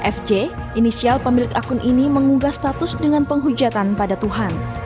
fj inisial pemilik akun ini mengunggah status dengan penghujatan pada tuhan